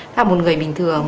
là một người bình thường